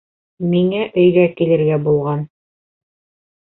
Миңә, өйгә килергә булған!